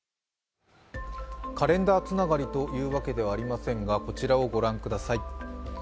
カレンダーつながりというわけではありませんがこちらを御覧ください。